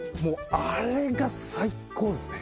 あれが最高ですね